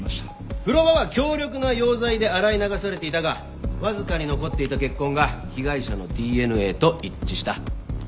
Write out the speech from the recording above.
風呂場は強力な溶剤で洗い流されていたがわずかに残っていた血痕が被害者のＤＮＡと一致した。